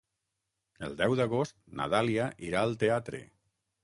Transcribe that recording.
El deu d'agost na Dàlia irà al teatre.